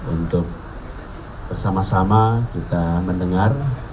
untuk bersama sama kita mendengar